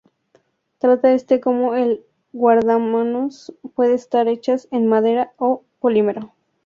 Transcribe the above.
Tanto esta como el guardamanos pueden estar hechas en madera o polímero.